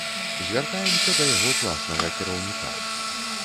Звяртаемся да яго класнага кіраўніка.